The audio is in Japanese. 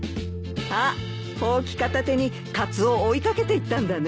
あっホウキ片手にカツオ追い掛けていったんだね。